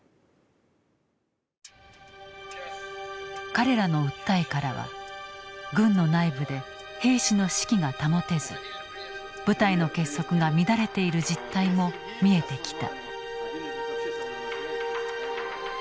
彼らの訴えからは軍の内部で兵士の士気が保てず部隊の結束が乱れている実態も見えてきた。